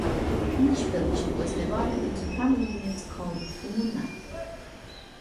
Each village was divided into family units called 'umunna'.